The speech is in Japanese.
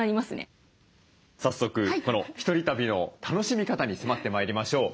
早速この１人旅の楽しみ方に迫ってまいりましょう。